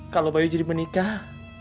kalau bayu jadi menikah